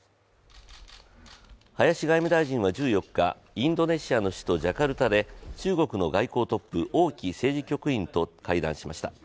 林外務大臣は１４日、インドネシアの首都ジャカルタで中国の外交トップ・王毅政治局員と会談しました。